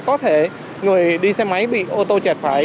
có thể người đi xe máy bị ô tô chẹt phải